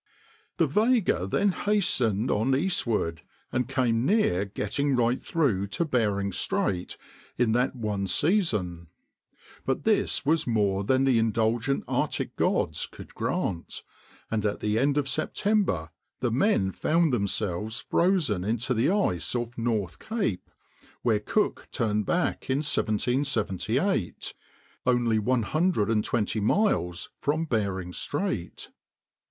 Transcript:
The Vega then hastened on eastward, and came near getting right through to Bering Strait in that one season; but this was more than the indulgent Arctic gods could grant, and at the end of September the men found themselves frozen into the ice off North Cape (where Cook turned back in 1778), only one hundred and twenty miles from Bering Strait.